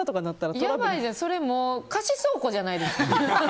それもう貸し倉庫じゃないですか。